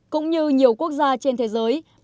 cũng như nhiều quốc gia trên thế giới